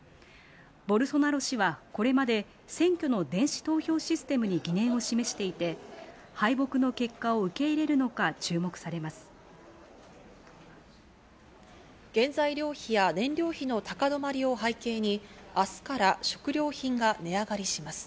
ボルソナロ氏はこれまで選挙の電子投票システムに疑念を示していて、敗北の結果を受け入れるのか注目されます。